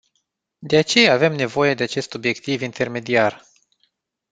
De aceea avem nevoie de acest obiectiv intermediar.